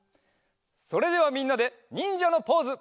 それではみんなでにんじゃのポーズ！